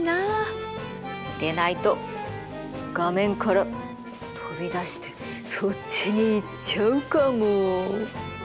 でないと画面から飛び出してそっちに行っちゃうかも。